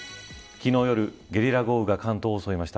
昨日ゲリラ豪雨、関東を襲いました。